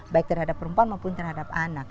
baik terhadap perempuan maupun terhadap anak